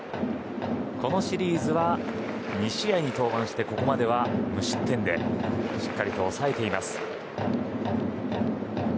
このシリーズは２試合に登板してここまでは無失点でしっかりと抑えています。